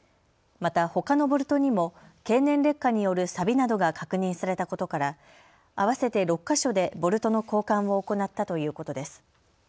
またほかのボルトにも経年劣化によるさびなどが確認されたことから合わせて６か所でボルトの交換を行ったということです。